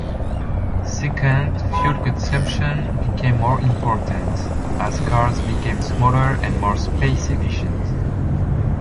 Second, fuel consumption became more important, as cars became smaller and more space-efficient.